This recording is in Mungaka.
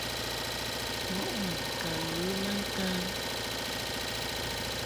Mɔʼ mun ka ghə ma ntan.